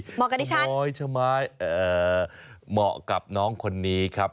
กับดิฉันเหมาะกับน้องคนนี้ครับ